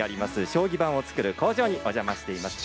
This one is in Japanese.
将棋盤を作る工場にお邪魔しています。